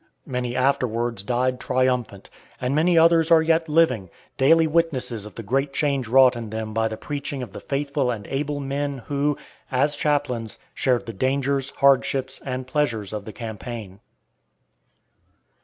Many afterwards died triumphant, and many others are yet living, daily witnesses of the great change wrought in them by the preaching of the faithful and able men who, as chaplains, shared the dangers, hardships, and pleasures of the campaign.